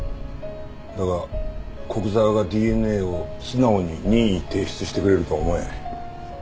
だが古久沢がＤＮＡを素直に任意提出してくれるとは思えん。